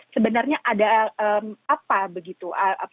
sebenarnya ada apa begitu